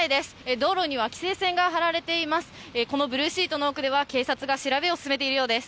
道路には規制線が張られています。